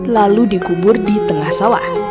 lalu dikubur di tengah sawah